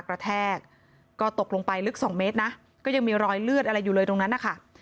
กระแทกก็ตกลงไปลึกสองเมตรนะก็ยังมีรอยเลือดอะไรอยู่เลยตรงนั้นนะคะ